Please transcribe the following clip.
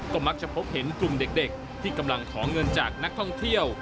ก็มักจะพบเห็นกลุ่มเด็กที่กำลังขอเงินจากนักท่องเที่ยว